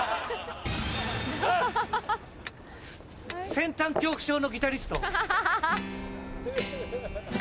先端恐怖症のギタリスト。